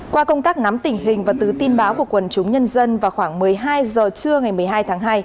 qua công tác nắm tình hình và từ tin báo của quần chúng nhân dân vào khoảng một mươi hai h trưa ngày một mươi hai tháng hai